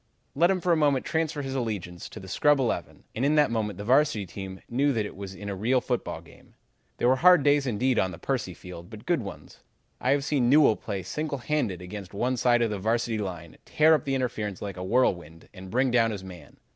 "Let him for a moment transfer his allegiance to the scrub eleven, and in that moment the Varsity team knew that it was in a real football game. They were hard days indeed on Percy Field, but good days. I have seen Newell play single handed against one side of the Varsity line, tear up the interference like a whirlwind, and bring down his man.